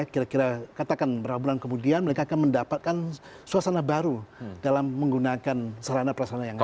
kira kira katakan beberapa bulan kemudian mereka akan mendapatkan suasana baru dalam menggunakan sarana perasaan yang lain